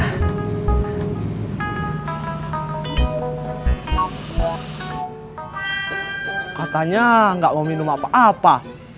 katanya nggak mau minum apa apa